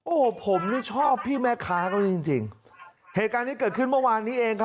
โอ้ผมชอบพี่แม่คะกันจริงเหตุการณ์ที่เกิดขึ้นเมื่อวานนี้เอง